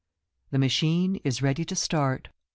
THE machine is ready to start.